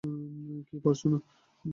কী পারছো না?